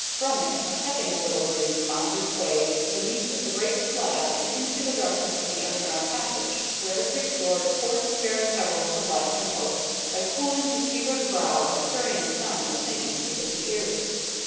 From it a second little breeze found its way beneath the great slab and into the darkness of the underground passage, where it restored poor, despairing Peveril to life and hope by cooling his fevered brow and carrying the sound of singing to his ears.